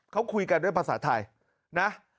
เขาคุยกันด้วยภาษาไทยนะ